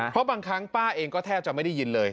เพราะบางครั้งป้าเองก็แทบจะไม่ได้ยินเลย